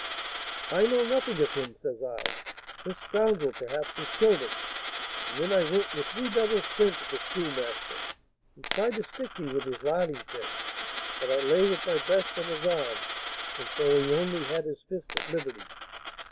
"'I know nothing of him,' says I; 'this scoundrel, perhaps, has killed him.' And then I went with redoubled strength at the Schoolmaster, who tried to stick me with his larding pin; but I lay with my breast on his arm, and so he only had his fist at liberty.